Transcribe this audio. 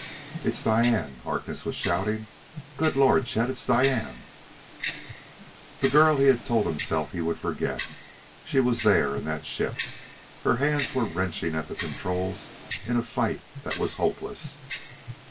"It's Diane!" Harkness was shouting. "Good Lord, Chet, it's Diane!" This girl he had told himself he would forget. She was there in that ship, her hands were wrenching at the controls in a fight that was hopeless.